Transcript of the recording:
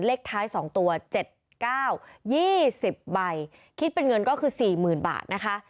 เลขท้ายสองตัวเจ็ดเก้ายี่สิบใบคิดเป็นเงินก็คือสี่หมื่นบาทนะคะ